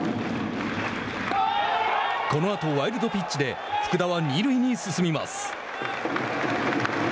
このあと、ワイルドピッチで福田は二塁に進みます。